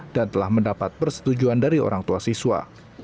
dan telah mendapat persetujuan dari orang tua siswa